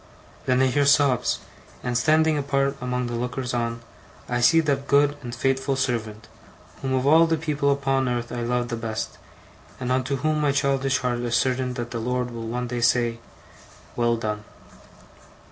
Then I hear sobs; and, standing apart among the lookers on, I see that good and faithful servant, whom of all the people upon earth I love the best, and unto whom my childish heart is certain that the Lord will one day say: 'Well done.